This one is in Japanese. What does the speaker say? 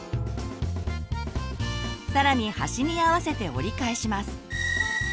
更に端に合わせて折り返します。